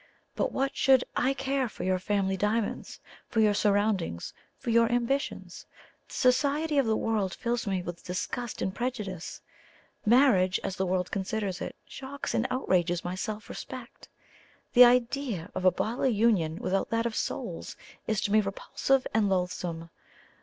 But what should I care for your family diamonds? for your surroundings? for your ambitions? The society of the world fills me with disgust and prejudice. Marriage, as the world considers it, shocks and outrages my self respect; the idea of a bodily union without that of souls is to me repulsive and loathsome.